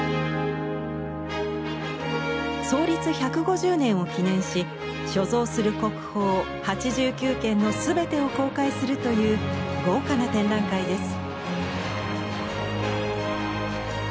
創立１５０年を記念し所蔵する国宝８９件のすべてを公開するという豪華な展覧会です。